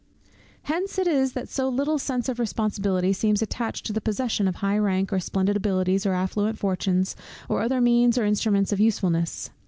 Hence it is that so little sense of responsibility seems attached to the possession of high rank, or splendid abilities, or affluent fortunes, or other means or instruments of usefulness.